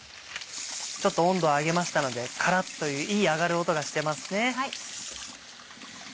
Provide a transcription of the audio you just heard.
ちょっと温度を上げましたのでカラっといういい揚がる音がしてますね。